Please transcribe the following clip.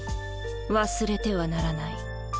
忘れてはならない。